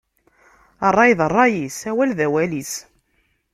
Ṛṛay d ṛṛay-is, awal d awal-is.